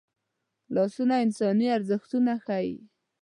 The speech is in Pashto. لاسونه انساني ارزښتونه ښيي